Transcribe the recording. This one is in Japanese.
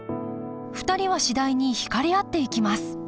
２人は次第に引かれ合っていきます